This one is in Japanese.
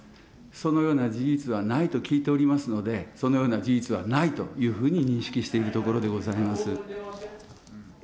そのような事実はないと聞いておりますので、そのような事実はないというふうににんしきしているところでございます。